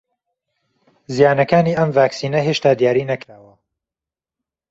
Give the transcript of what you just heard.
زیانەکانی ئەم ڤاکسینە هێشتا دیاری نەکراوە